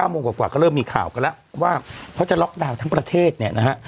โมงกว่าก็เริ่มมีข่าวกันแล้วว่าเขาจะล็อกดาวน์ทั้งประเทศเนี่ยนะฮะ